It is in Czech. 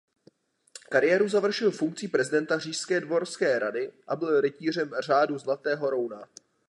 Kariéru završil funkcí prezidenta říšské dvorské rady a byl rytířem Řádu zlatého rouna.